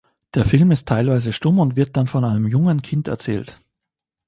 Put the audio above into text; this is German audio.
Der Film ist teilweise stumm und wird dann von einem jungen Kind erzählt.